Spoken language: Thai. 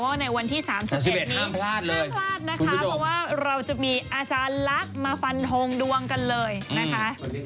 ว่าในวันที่๓๑ภาพพลาดชื่อผู้โดยข่าวเราจะมีอาจารย์ลักษณ์มาฟันโทงดวงกันเลยนะคะ